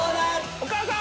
お母さん！